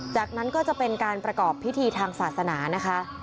จากนั้นก็จะเป็นการประกอบพิธีทางศาสนานะคะ